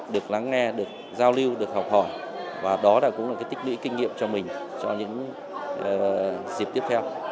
được lắng nghe được giao lưu được học hỏi và đó là cũng là cái tích lũy kinh nghiệm cho mình cho những dịp tiếp theo